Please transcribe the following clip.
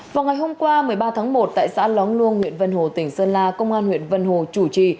vào ngày hôm qua một mươi ba tháng một tại xã lóng luông huyện vân hồ tỉnh sơn la công an huyện vân hồ chủ trì